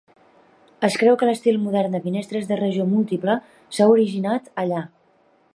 Es creu que l'estil modern de finestres de regió múltiple s'ha originat allà.